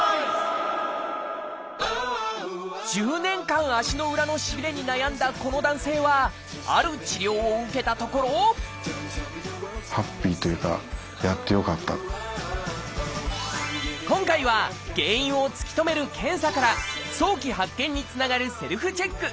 １０年間足の裏のしびれに悩んだこの男性はある治療を受けたところ今回は原因を突き止める検査から早期発見につながるセルフチェック。